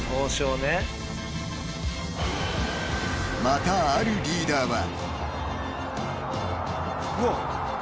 ［またあるリーダーは］